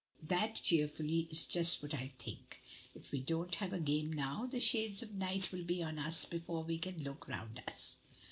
"That," cheerfully, "is just what I think. If we don't have a game now, the shades of night will be on us before we can look round us."